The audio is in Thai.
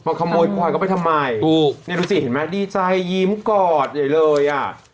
ขโมยควายเข้าไปทำไมถูกเนี่ยดูสิเห็นไหมดีใจยิ้มกอดใหญ่เลยอ่ะ